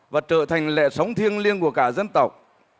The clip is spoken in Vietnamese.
và trở thành lệ sống thiêng liêng của cả dân tộc